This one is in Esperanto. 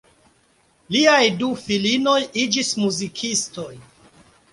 Liaj du filinoj iĝis muzikistoj.